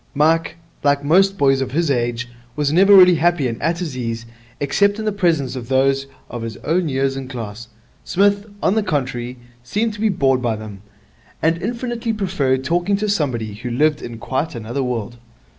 Mike, like most boys of his age, was never really happy and at his ease except in the presence of those of his own years and class. Psmith, on the contrary, seemed to be bored by them, and infinitely preferred talking to somebody who lived in quite another world.